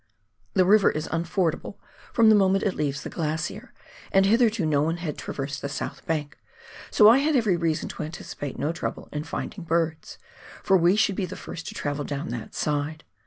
The river is unfordable from the moment it leaves the glacier, and hitherto no one had traversed the south bank, so I had every reason to anticipate no trouble in finding birds, for we shoidd be the first to travel down that side.